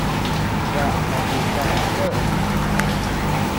Dea tati kani nod.